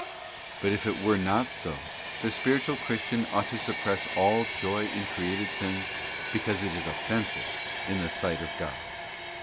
* But if it were not so, the spiritual Christian ought to suppress all joy in created things because it is offensive in the sight of God.